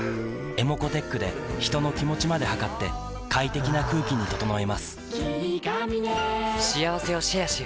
ｅｍｏｃｏーｔｅｃｈで人の気持ちまで測って快適な空気に整えます